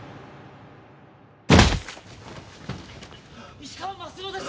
石川鱒乃です！